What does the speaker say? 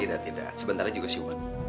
tidak tidak sebentar lagi juga siu ban